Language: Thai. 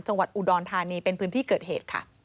จังหวัดอุดรธานีเป็นพื้นที่เกิดเหตุค่ะ